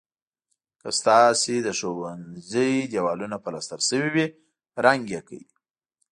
که ستاسو د ښوونځي دېوالونه پلستر شوي وي رنګ یې کړئ.